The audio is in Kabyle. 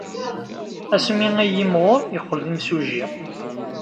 Asmi ay yimɣur, yeqqel d imsujji.